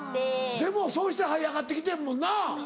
でもそうしてはい上がってきてんもんな。